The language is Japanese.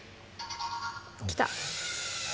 来た。